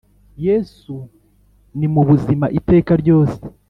yesu nimubuzima iteka ryose